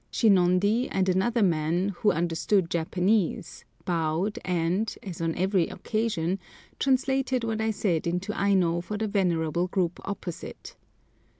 Shinondi and another man, who understood Japanese, bowed, and (as on every occasion) translated what I said into Aino for the venerable group opposite.